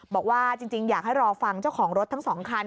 บอกว่าจริงอยากให้รอฟังเจ้าของรถทั้ง๒คัน